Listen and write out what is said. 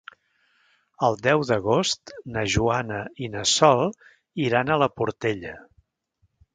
El deu d'agost na Joana i na Sol iran a la Portella.